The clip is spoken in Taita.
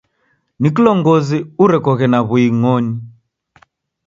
Ni kilongozi urekoghe na w'uing'oni.